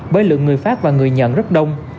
bởi lượng người phát và người nhận rất đông